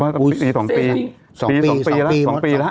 ก็คือสองปี